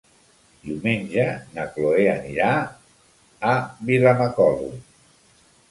Diumenge na Chloé anirà a Vilamacolum.